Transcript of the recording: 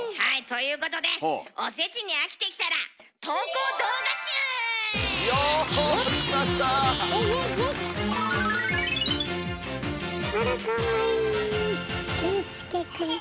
はいということでおせちに飽きてきたらよっきたきた！